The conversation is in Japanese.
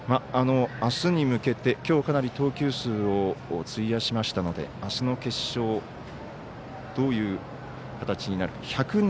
あすに向けてきょう、かなり投球数を費やしましたのであすの決勝、どういう形になるか。